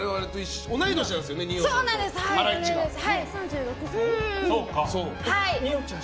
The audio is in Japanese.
同い年なんですよね、二葉さん。